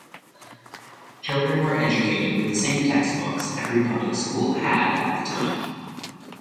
Children were educated with the same textbooks every public school had at the time.